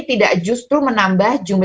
tidak justru menambah jumlah